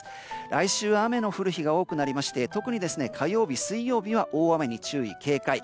来週は雨の降る日が多くなりまして特に火曜日と水曜日は大雨に注意・警戒。